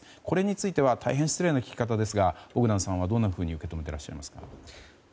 これについては大変失礼な聞き方ですがボグダンさんは、どんなふうに受け止めていらっしゃいますか。